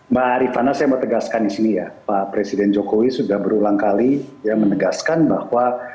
mbak rifana saya mau tegaskan di sini ya pak presiden jokowi sudah berulang kali ya menegaskan bahwa